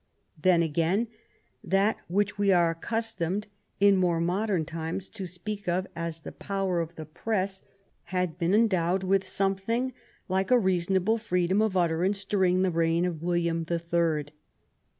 Then, again, that which we are accustomed in more modern times to speak of as the power of the press had been endowed with something like a reasonable freedom of utterance during the reign of William the Third.